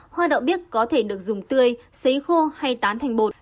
hoa đậu bích có thể được dùng tươi xấy khô hay tán thành bột